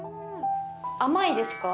甘いですか？